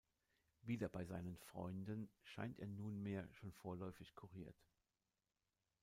Wieder bei seinen Freunden, scheint er nunmehr schon vorläufig kuriert.